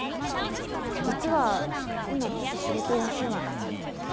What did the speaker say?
実は今ちょっと仕事休んでて。